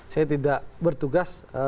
saya tidak bertugas